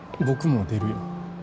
僕も出るよ。